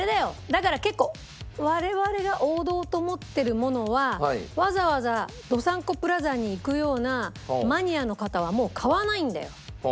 だから結構我々が王道と思ってるものはわざわざどさんこプラザに行くようなマニアの方はもう買わないんだよ。